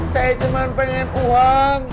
saya cuman pengen uang